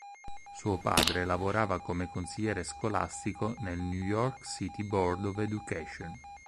Suo padre lavorava come consigliere scolastico nel New York City Board of Education.